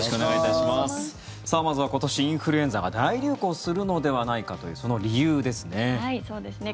さあ、まずは今年、インフルエンザが大流行するのではないかというその理由ですね。